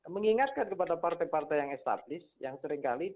mengingatkan kepada partai partai yang established yang seringkali